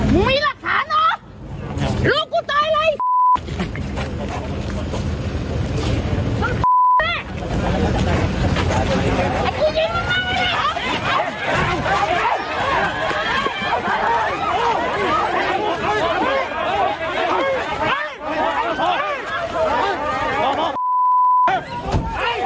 มีหลักฐานเนอะลูกกูตายเลย